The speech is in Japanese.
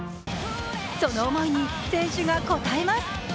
その思いに選手が応えます。